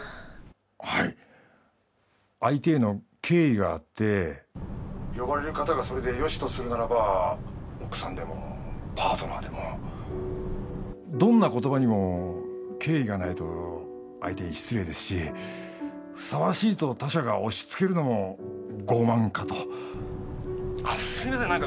はい相手への敬意があって呼ばれる方がそれでよしとするならば奥さんでもパートナーでもどんな言葉にも敬意がないと相手に失礼ですしふさわしいと他者が押しつけるのも傲慢かとあっすいません